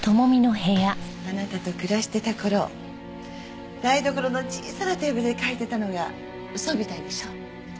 あなたと暮らしてた頃台所の小さなテーブルで書いてたのが嘘みたいでしょ？